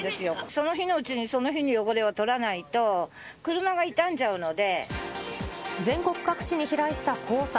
その日のうちに、その日の汚れを取らないと、全国各地に飛来した黄砂。